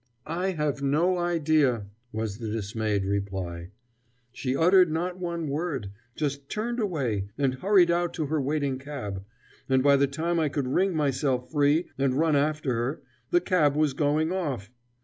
"I have no idea!" was the dismayed reply. "She uttered not one word just turned away, and hurried out to her waiting cab and by the time I could wring myself free, and run after her, the cab was going off.